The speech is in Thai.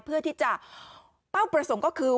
เพื่อที่จะเป้าประสงค์ก็คือ